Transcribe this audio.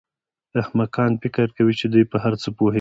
احمقان فکر کوي چې دوی په هر څه پوهېږي.